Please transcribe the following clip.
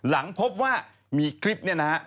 ที่พบว่ามีคลิปนี้นะครับ